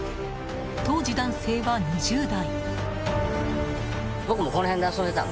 当時、男性は２０代。